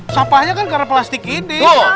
sampahnya kan karena plastik ini